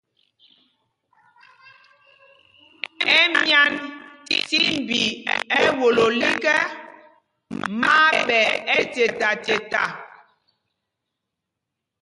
Ɛmyán tí mbi ɛ́wolo lîk ɛ, má á ɓɛ ɛ́cetaceta.